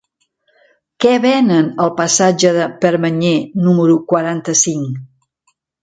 Què venen al passatge de Permanyer número quaranta-cinc?